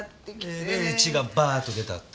えれえ血がバーッと出たって？